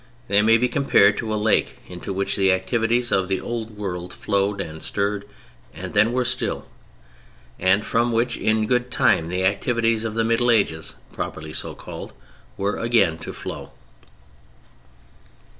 They may be compared to a lake into which the activities of the old world flowed and stirred and then were still, and from which in good time the activities of the Middle Ages, properly so called, were again to flow.